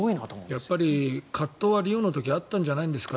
やっぱり葛藤はリオの時あったんじゃないですか。